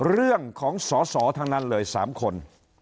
เรื่องของสอสอทั้งนั้นเลย๓คน